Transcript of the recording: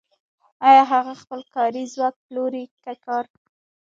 آیا هغه خپل کاري ځواک پلوري که کار